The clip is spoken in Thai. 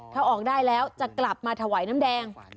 ถ้าออกได้แล้วจะกลับมาถวายน้ำแดง